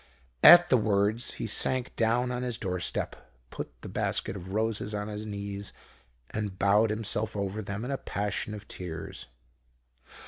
_' "At the words he sank down on his doorstep, put the basket of roses on his knees and bowed himself over them in a passion of tears.